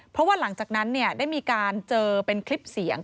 เพราะว่าหลังจากนั้นได้มีการเจอเป็นคลิปเสียง